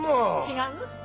違う？